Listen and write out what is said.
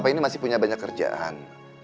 bapak ini masih punya banyak kerjaan